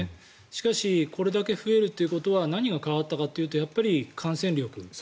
しかしこれだけ増えるってことは何が変わったかというとやっぱり感染力。